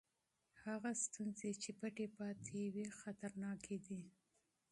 هغه ستونزې چې پټې پاتې وي خطرناکې دي.